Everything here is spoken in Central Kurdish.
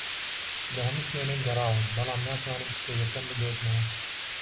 لە هەموو شوێنێک گەڕاوم، بەڵام ناتوانم کتێبەکەم بدۆزمەوە